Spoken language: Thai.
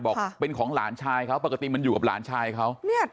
บอกเป็นของหลานชายเขาปกติมันอยู่กับหลานชายเขา